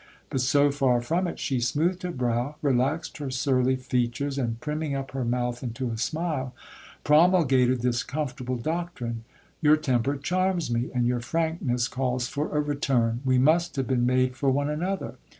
But so far from it, she smoothed her brow, relaxed her surly features, and primming up her mouth into a smile, promul gated this comfortable doctrine : Your temper charms me, and your frankness calls for a return/ We must have been made for one another.